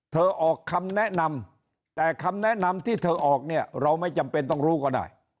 ออกคำแนะนำแต่คำแนะนำที่เธอออกเนี่ยเราไม่จำเป็นต้องรู้ก็ได้